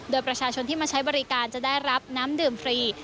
โดยประชาชนที่มาใช้บริการจะได้รับน้ำดื่มฟรี